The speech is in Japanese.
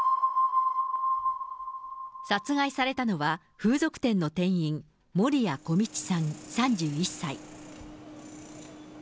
殺害されたのは、風俗店の店員、守屋径さん３１歳。